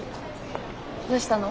どうしたの？